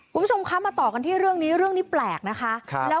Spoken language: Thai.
คุณผู้ชมคะมาต่อกันที่เรื่องนี้เรื่องนี้แปลกนะคะ